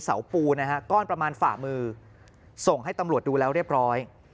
เสาปูนะฮะก้อนประมาณฝ่ามือส่งให้ตำรวจดูแล้วเรียบร้อย